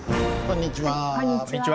こんにちは。